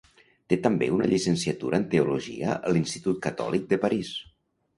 Té també una llicenciatura en teologia a l'Institut Catòlic de París.